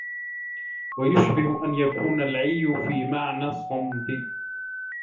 وَيُشْبِهُ أَنْ يَكُونَ الْعِيُّ فِي مَعْنَى الصَّمْتِ